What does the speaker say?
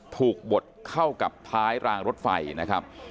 บดเข้ากับท้ายรางรถไฟนะครับ